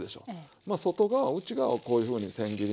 まあ外側内側をこういうふうにせん切りに。